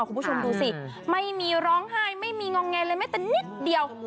คุณผู้ชมดูสิไม่มีร้องไห้ไม่มีงองแงเลยแม้แต่นิดเดียว